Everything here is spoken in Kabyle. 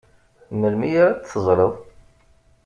Melmi ara t-teẓred?